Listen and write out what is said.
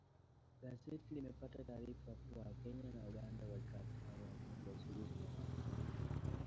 Gazeti limepata taarifa kuwa Kenya na Uganda walikataa uamuzi wa zoezi la uhakiki